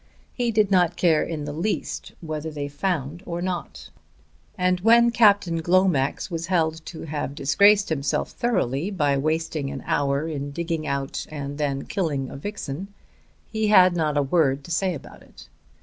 He did not care in the least whether they found or not; and when Captain Glomax was held to have disgraced himself thoroughly by wasting an hour in digging out and then killing a vixen, he had not a word to say about it.